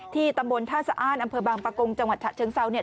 ตำบลท่าสะอ้านอำเภอบางประกงจังหวัดฉะเชิงเซาเนี่ย